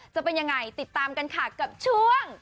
จะเป็นยังไงติดตามกันค่ะกับช่วง